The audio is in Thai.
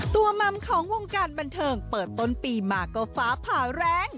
มัมของวงการบันเทิงเปิดต้นปีมาก็ฟ้าผ่าแรง